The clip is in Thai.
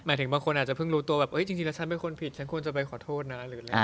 หมายถึงบางคนอาจจะเพิ่งรู้ตัวว่าจริงจริงแล้วฉันเป็นคนผิดฉันควรจะไปขอโทษนะ